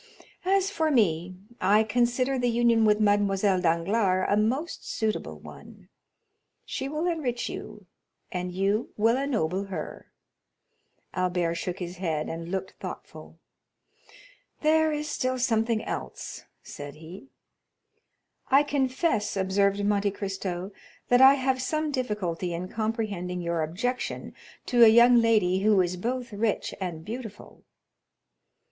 As for me, I consider the union with Mademoiselle Danglars a most suitable one; she will enrich you, and you will ennoble her." Albert shook his head, and looked thoughtful. "There is still something else," said he. "I confess," observed Monte Cristo, "that I have some difficulty in comprehending your objection to a young lady who is both rich and beautiful."